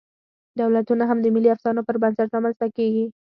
دولتونه هم د ملي افسانو پر بنسټ رامنځ ته کېږي.